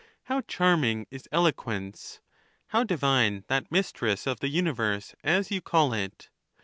How charming is eloquence ! How divine that mistress of the universe, as you call it